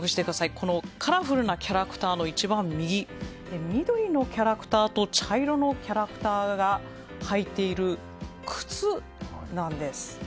このカラフルなキャラクターの一番右、緑のキャラクターと茶色のキャラクターが履いている靴なんです。